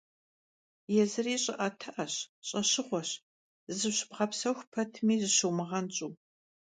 Yêzıri ş'ı'etı'eş, ş'eşığueş, zışıbğepsexu petmi zışumığenş'u.